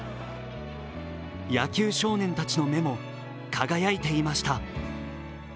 野球少年たちの目も輝いていました。